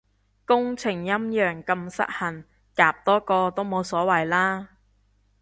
工程陰陽咁失衡，夾多個都冇所謂啦